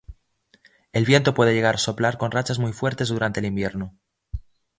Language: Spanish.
El viento puede llegar a soplar con rachas muy fuertes durante el invierno.